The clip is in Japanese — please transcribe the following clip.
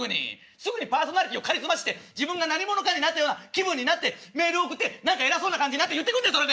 すぐにパーソナリティーをカリスマ視して自分が何者かになったような気分になってメール送って何か偉そうな感じになって言ってくんだそれで。